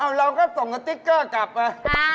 เอ้าเราก็ส่งกับติ๊กเกอร์กลับไป